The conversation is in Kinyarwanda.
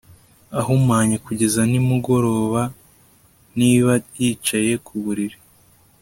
ahumanye kugeza nimugorobaniba yicaye ku buriri